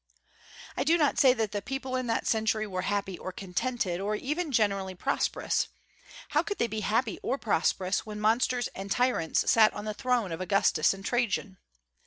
I do not say that the people in that century were happy or contented, or even generally prosperous. How could they be happy or prosperous when monsters and tyrants sat on the throne of Augustus and Trajan?